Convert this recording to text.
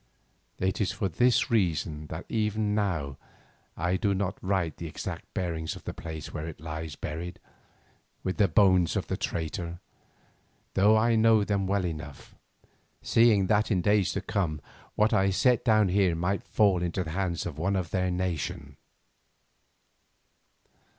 It is for this reason that even now I do not write of the exact bearings of the place where it lies buried with the bones of the traitor, though I know them well enough, seeing that in days to come what I set down here might fall into the hands of one of their nation.